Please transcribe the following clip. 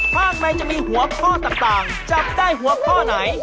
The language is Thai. ข้างในจะมีหัวข้อต่างจับได้หัวข้อไหน